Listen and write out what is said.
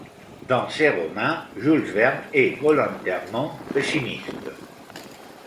Dans ce roman, Jules Verne est volontairement pessimiste.